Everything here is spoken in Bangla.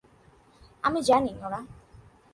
আমি জানি, নোরা।